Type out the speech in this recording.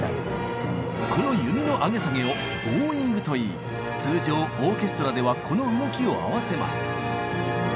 この弓の上げ下げを「ボウイング」といい通常オーケストラではこの動きを合わせます。